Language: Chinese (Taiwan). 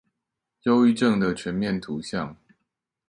憂鬱症的全面圖像